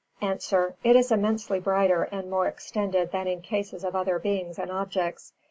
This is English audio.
_ A. It is immensely brighter and more extended than in cases of other beings and objects.